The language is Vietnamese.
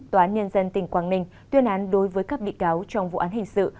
tòa án nhân dân tỉnh quảng ninh tuyên án đối với các bị cáo trong vụ án hình sự